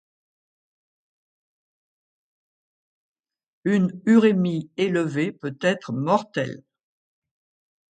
Une urémie élevée peut être mortelle.